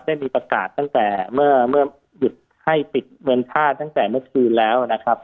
ได้มีประกาศตั้งแต่เมื่อหยุดให้ปิดเงินค่าตั้งแต่เมื่อคืนแล้วนะครับ